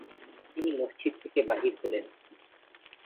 তিনি মসজিদ থেকে বাহির হলেন ।